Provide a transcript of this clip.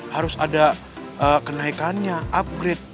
harus ada kenaikannya upgrade